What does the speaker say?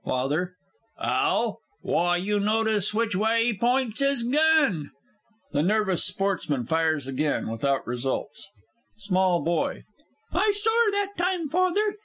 FATHER. 'Ow? Why, you notice which way he points his gun. [The N. S. fires again without results. SMALL BOY. I sor that time, Father.